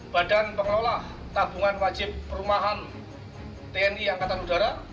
badan pengelola tabungan wajib perumahan tni angkatan udara